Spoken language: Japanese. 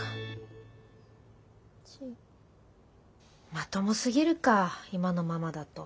まともすぎるか今のままだと。